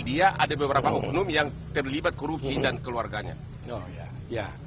di negara negara beliau ada beberapa umum yang terlibat kerusi dan keluarganya